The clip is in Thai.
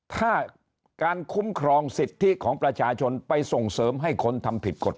ถ้าการคุ้มครองสิทธิของประชาชนไปส่งเสริมให้คนทำผิดกฎ